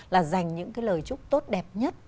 là dành những lời chúc tốt đẹp nhất